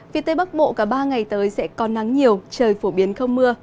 phía tây bắc bộ cả ba ngày tới sẽ còn nắng nhiều trời phổ biến không mưa